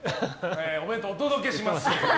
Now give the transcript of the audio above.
お弁当をお届けします。